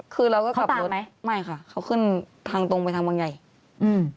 คือเราก็กลับบ้านไหมไม่ค่ะเขาขึ้นทางตรงไปทางบางใหญ่อืม